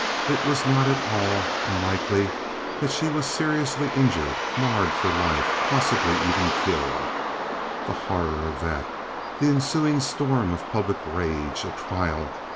It was not at all unlikely that she was seriously injured, marred for life—possibly even killed. The horror of that! The ensuing storm of public rage! A trial!